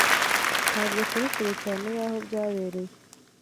Ntabwo turi kure cyane y'aho byabereye.